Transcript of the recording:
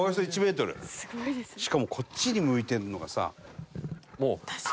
しかもこっちに向いてるのがさ。